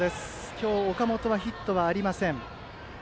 今日、岡本はヒットはありません。